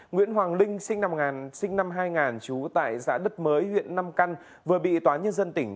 nguyễn hoàng linh sinh năm hai nghìn trú tại xã đất mới huyện nam căn vừa bị tòa nhân dân tỉnh